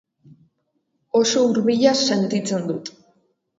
Oso hurbila sentitzen dut.